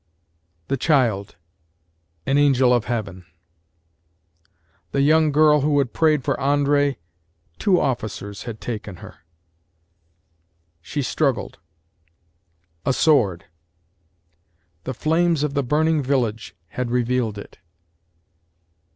THE child AN Angel of Heaven THE young girl who had prayed for André two officers had taken her. SHE struggled A SWORD THE flames of the burning village had revealed it.